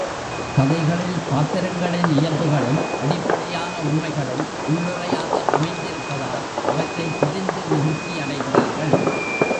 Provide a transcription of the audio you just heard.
கதைகளில் பாத்திரங்களின் இயல்புகளும் அடிப்படையான உண்மைகளும் உள்ளுறையாக அமைந்திருப்பதால் அவற்றைத் தெரிந்து மகிழ்ச்சியடைகிறார்கள்.